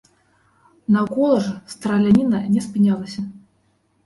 Наўкола ж страляніна не спынялася.